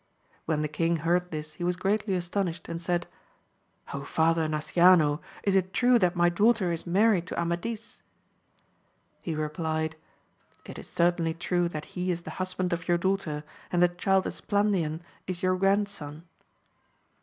When the king heard this he was greatly astonished, and said, father Nasciano, is it true that my daugh ter is married to Amadis 1 He replied, It is certainly true that he is the husband of your daughter, and that child Esplandian is your grandson.